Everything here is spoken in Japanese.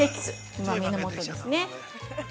うまみのもとですね。